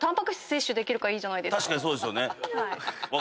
確かにそうですよね。